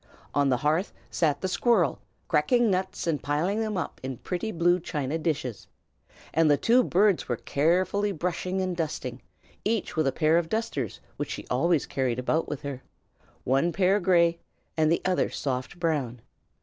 On the hearth sat the squirrel, cracking nuts and piling them up in pretty blue china dishes; and the two birds were carefully brushing and dusting, each with a pair of dusters which she always carried about with her, one pair gray, and the other soft brown.